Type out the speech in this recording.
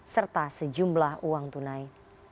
serta sejumlah uang tunai